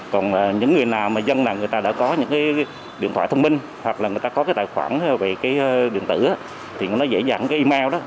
còn những người nào mà dân là người ta đã có những điện thoại thông minh hoặc là người ta có tài khoản về điện tử thì nó dễ dàng email đó